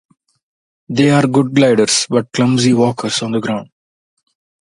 They are good gliders but clumsy walkers on the ground.